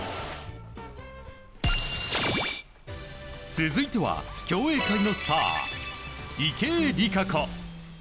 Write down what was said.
続いては競泳界のスター池江璃花子。